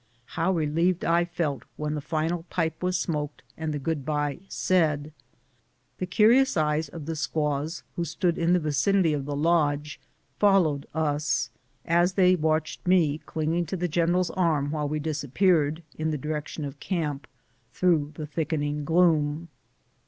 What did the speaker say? How relieved I felt when the final pipe was smoked and the good bye said ! The curious eyes of the squaws, who stood in the vicinity of the lodge, followed us, as they watched me clinging to the general's arm while we dis appeared, in the direction of camp, through the thicken ing gloom.